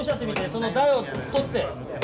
その台を取って。